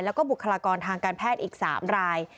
แล้วก็บุคลากรทางการแพทย์อีก๓ราย